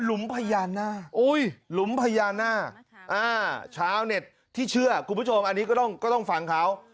ลุมพญานาคหลุมพญานาคชาวเน็ตที่เชื่อคุณผู้ชมอันนี้ก็ต้องฟังเขา